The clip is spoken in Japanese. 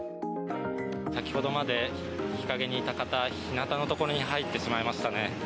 先ほどまで日陰にいた方日なたのところに入ってしまいましたね。